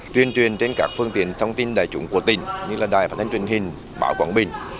tuyên truyền trên các phương tiện thông tin đại chủng của tỉnh như là đài phát thanh truyền hình bảo quảng bình